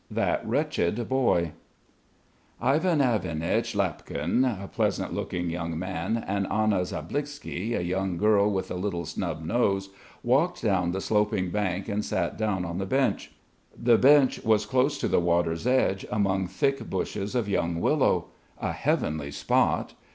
THAT WRETCHED BOY Ivan Ivanich Lapkin, a pleasant looking young man, and Anna Zamblizky, a young girl with a little snub nose, walked down the sloping bank and sat down on the bench. The bench was close to the water's edge, among thick bushes of young willow. A heavenly spot!